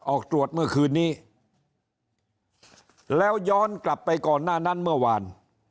ออกตรวจเมื่อคืนนี้แล้วย้อนกลับไปก่อนหน้านั้นเมื่อวาน